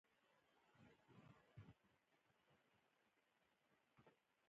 خاوره د ارام ځای دی.